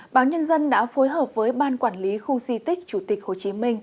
báo nhân dân đã phối hợp với ban quản lý khu di tích chủ tịch hồ chí minh